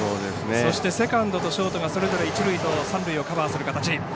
そしてセカンドとショートがそれぞれ一塁と三塁をカバーする形。